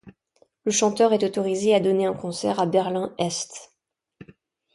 Le chanteur est autorisé à donner un concert à Berlin-Est.